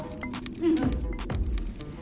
うん。